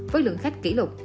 với lượng khách kỷ lục